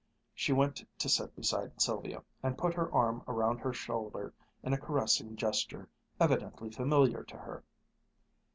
She went to sit beside Sylvia, and put her arm around her shoulder in a caressing gesture, evidently familiar to her.